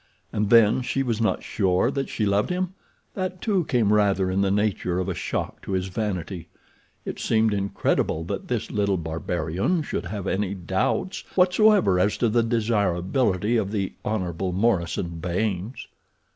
And then she was not sure that she loved him! That, too, came rather in the nature of a shock to his vanity. It seemed incredible that this little barbarian should have any doubts whatever as to the desirability of the Hon. Morison Baynes.